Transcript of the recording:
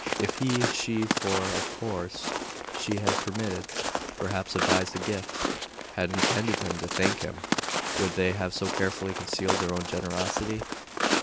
If he she for of course she had permitted, perhaps advised, the gift had intended him to thank them, would they have so carefully concealed their own generosity?....